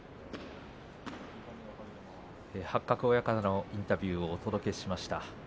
八角親方のインタビューをお届けしました。